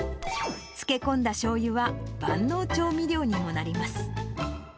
漬け込んだしょうゆは万能調味料にもなります。